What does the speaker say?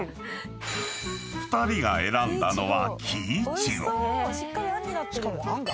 ［２人が選んだのは］